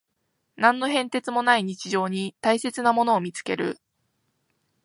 何の変哲もない日常に大切なものを見つける